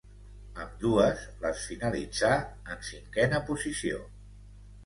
Ambdues les finalitzà en cinquena posició.